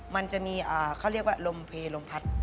มันจะมีเขาเรียกว่าลมเพลลมพัด